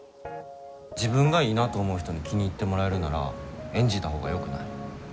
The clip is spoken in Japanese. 自分がいいなと思う人に気に入ってもらえるなら演じたほうがよくない？